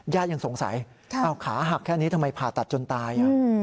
ยังสงสัยขาหักแค่นี้ทำไมผ่าตัดจนตาย